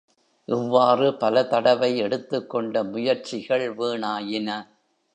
இவ்வாறு பல தடவை எடுத்துக்கொண்ட முயற்சிகள் வீணாயின.